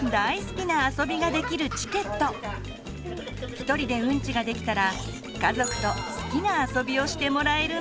一人でうんちができたら家族と好きなあそびをしてもらえるんです。